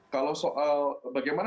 kalau soal bagaimana sih